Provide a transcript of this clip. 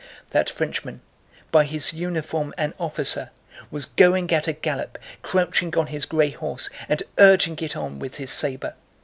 That Frenchman, by his uniform an officer, was going at a gallop, crouching on his gray horse and urging it on with his saber.